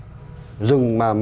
vùng rừng đặc dụng